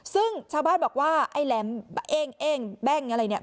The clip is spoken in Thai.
ซึ่งชาวบ้านบอกว่าไอ้แหลมเองแบ้งอะไรเนี่ย